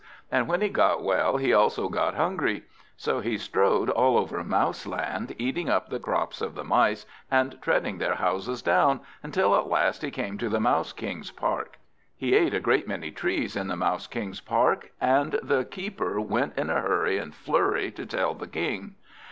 And when he got well he also got hungry; so he strode all over Mouseland, eating up the crops of the Mice, and treading their houses down, until at last he came to the Mouse King's park. He ate a great many trees in the Mouse King's park, and the Keeper went in a hurry and flurry to tell the King.